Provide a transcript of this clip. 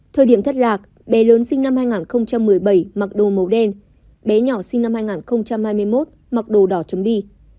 thời điểm thất lạc bé lớn sinh năm hai nghìn một mươi bảy mặc đồ màu đen bé nhỏ sinh năm hai nghìn hai mươi một mặc đồ đỏ chấm bi